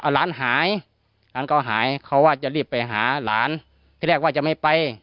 หลานหายหลานก็หายเขาว่าจะรีบไปหาหลานที่แรกว่าจะไม่ไป